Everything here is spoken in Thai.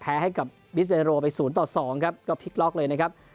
แพ้ให้กับไปศูนย์ต่อสองครับก็เลยนะครับ